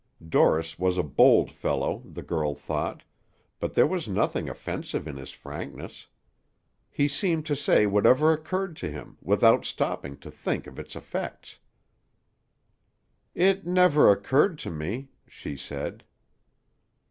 Dorris was a bold fellow, the girl thought, but there was nothing offensive in his frankness. He seemed to say whatever occurred to him, without stopping to think of its effects. "It never occurred to me," she said.